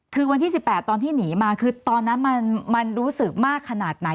คือวันที่๑๘ตอนที่หนีมาคือตอนนั้นมันรู้สึกมากขนาดไหน